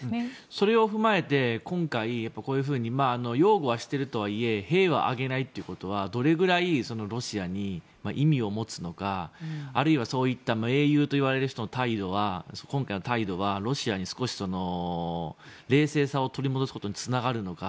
それを踏まえて今回、こういうふうに擁護はしているとはいえ兵は挙げないということはどれぐらいロシアに意味を持つのかあるいはそういった英雄といわれる人の態度はロシアに少し、冷静さを取り戻すことにつながるのか